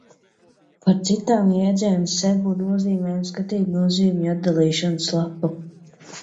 Par citām jēdziena Sebu nozīmēm skatīt nozīmju atdalīšanas lapu.